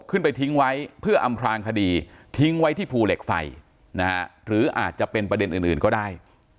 ขึ้นไปทิ้งไว้เพื่ออำพลางคดีทิ้งไว้ที่ภูเหล็กไฟนะฮะหรืออาจจะเป็นประเด็นอื่นก็ได้